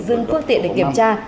dừng phương tiện để kiểm tra